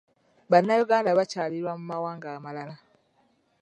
Bannayuganda bakyalira mu mawanga amalala.